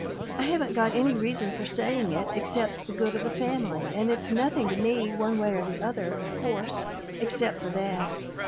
I haven't got any reason for saying it except the good of the family, and it's nothing to me, one way or the other, of course, except for that.